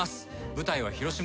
舞台は広島。